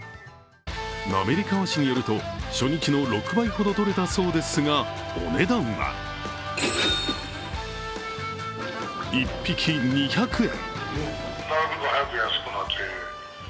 滑川市によると、初日の６倍ほどとれたそうですが、お値段は１匹２００円。